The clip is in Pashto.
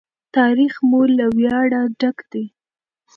تاریخ مو له ویاړه ډک دی.